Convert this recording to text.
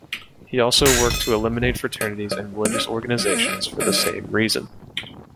He also worked to eliminate fraternities and religious organizations for the same reason.